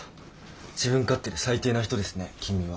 自分勝手で最低な人ですね君は。